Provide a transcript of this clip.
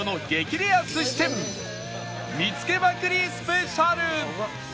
レア寿司店見つけまくりスペシャル！